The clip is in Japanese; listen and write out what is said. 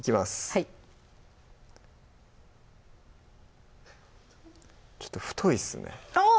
はいちょっと太いっすねあっ